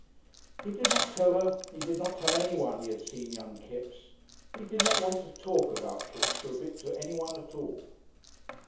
He did not tell her he did not tell anyone he had seen young Kipps. He did not want to talk about Kipps for a bit to anyone at all.